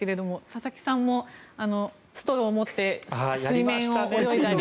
佐々木さんもストローを持って水面を泳いだり。